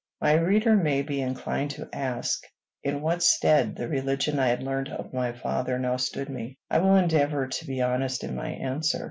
My reader may be inclined to ask in what stead the religion I had learned of my father now stood me. I will endeavor to be honest in my answer.